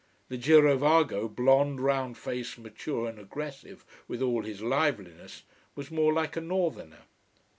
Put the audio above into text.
The girovago, blond, round faced, mature and aggressive with all his liveliness, was more like a northerner.